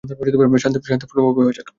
শান্তিপূর্ণভাবে হয়ে যাক।